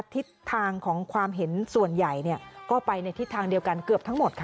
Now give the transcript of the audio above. ทิศทางของความเห็นส่วนใหญ่ก็ไปในทิศทางเดียวกันเกือบทั้งหมดค่ะ